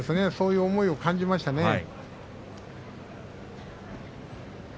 そういう思いを感じましたね。